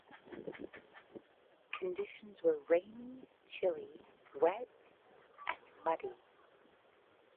Conditions were rainy, chilly, wet and muddy.